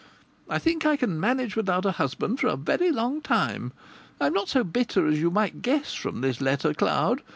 I think I can manage without a husband for a very long time. I'm not so bitter as you might guess from this letter, Cloud.